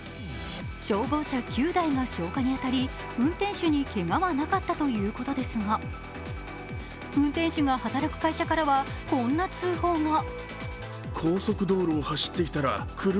消防車９台が消火に当たり運転手にけがはなかったということですが運転手が働く会社からはこんな通報が。